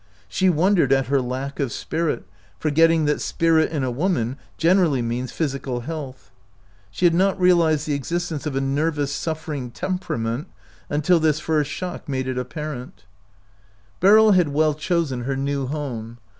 She wondered at her lack of spirit, forgetting that spirit in a woman generally means physical health. She had not realized the existence of a nervous suffering tempera ment until this first shock made it apparent. 53 OUT OF BOHEMIA Beryl had well chosen her new home.